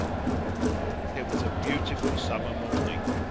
It was a beautiful summer morning.